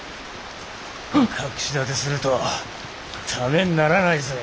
隠し立てするとためにならないぜ。